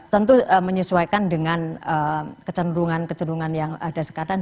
tentu menyesuaikan dengan kecenderungan kecenderungan yang ada sekarang